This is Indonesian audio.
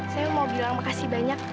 saya mau bilang makasih banyak